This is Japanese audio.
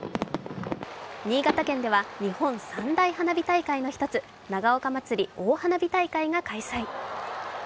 新潟県では、日本三大花火大会の１つ、長岡まつり大花火大会が開催。